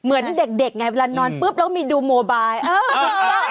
เหมือนเด็กไงเวลานอนปุ๊บเรามีดูโมไบล์